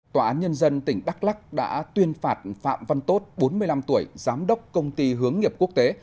tòa án nhân dân tỉnh đắk lắc đã tuyên phạt phạm văn tốt bốn mươi năm tuổi giám đốc công ty hướng nghiệp quốc tế